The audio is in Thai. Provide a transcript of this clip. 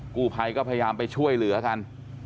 กู้ภัยก็พยายามไปช่วยเหลือกัน